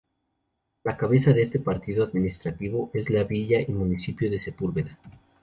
La cabeza de este partido administrativo es la villa y municipio de Sepúlveda.